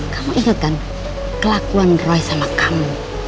kamu inget kan kelakuan roy sama kamu